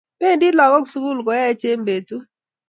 Bendi lagook sugul koech eng betut